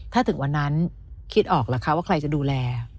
ถ้าถึงวันนั้นคิดออกล่ะคะว่าใครจะดูแล